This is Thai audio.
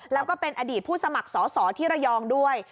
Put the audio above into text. แล้วก็เป็นอดีตผู้สมัครสอสอที่ระยองด้วย